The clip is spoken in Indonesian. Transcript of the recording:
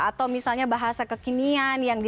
atau misalnya bahasa kekinian yang di